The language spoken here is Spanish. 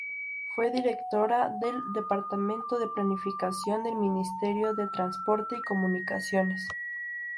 Fue directora del Departamento de Planificación del Ministerio de Transporte y Comunicaciones.